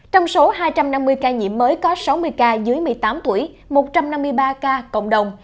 trong số hai trăm năm mươi ca nhiễm mới có sáu mươi ca dưới một mươi tám tuổi một trăm năm mươi ba ca cộng đồng